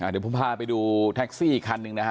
เดี๋ยวพ่อพาไปดูแท็กซี่อีกคันนึงนะครับ